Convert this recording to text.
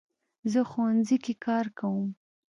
زه ښوونځي کې کار کوم